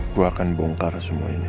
gue akan bongkar semua ini